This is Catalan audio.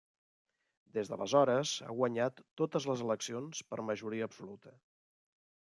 Des d'aleshores ha guanyat totes les eleccions per majoria absoluta.